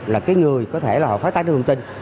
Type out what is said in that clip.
là cái người có thể là họ phát tán được thông tin